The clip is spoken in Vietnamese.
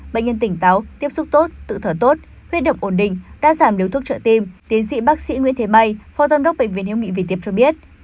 bệnh nhân tỉnh táo tiếp xúc tốt tự thở tốt huyết động ổn định đã giảm nếu thuốc trợ tim tiến sĩ bác sĩ nguyễn thế mai phó giám đốc bệnh viện hiếu nghị việt tiệp cho biết